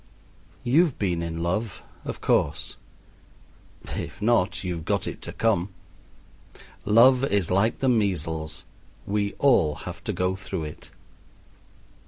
You've been in love, of course! If not you've got it to come. Love is like the measles; we all have to go through it.